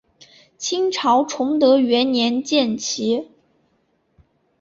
清朝崇德元年建旗。